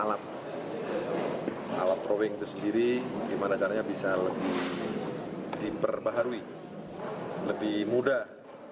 alat alat drawing itu sendiri gimana caranya bisa lebih diperbaharui lebih mudah